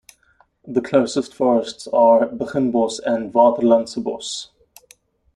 The closest forests are Beginbos and Waterlandsebos.